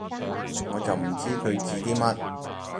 我就唔知佢指啲乜